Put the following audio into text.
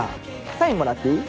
サインもらっていい？